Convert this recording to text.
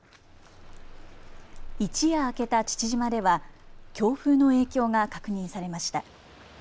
一夜明けた父島では強風の影響が確認されました。